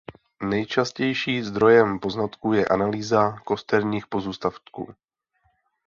Nejčastější zdrojem poznatků je analýza kosterních pozůstatků.